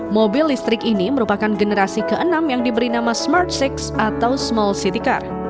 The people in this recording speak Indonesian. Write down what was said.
mobil listrik ini merupakan generasi ke enam yang diberi nama smart enam atau small city car